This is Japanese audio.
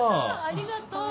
ありがとう。